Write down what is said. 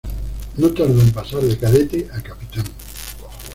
No tardó en pasar de cadete a capitán.